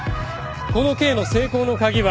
この計の成功の鍵は。